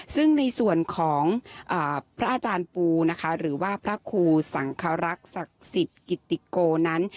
ซึ่งในส่วนของพระอาจารย์ปูนะคะหรือว่าพระครูสังครักษ์ศักดิ์สิทธิ์กิติโกนั้น